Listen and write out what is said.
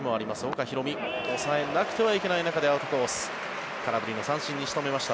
岡大海抑えなくてはいけない中でアウトコース、空振りの三振に仕留めました